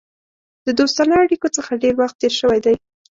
د دوستانه اړېکو څخه ډېر وخت تېر شوی دی.